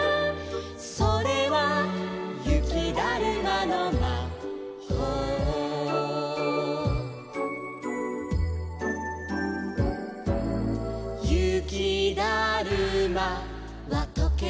「それはゆきだるまのまほう」「ゆきだるまはとけるとき」